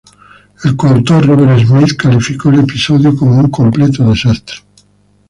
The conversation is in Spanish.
El coautor Robert Smith calificó del episodio como "un completo desastre".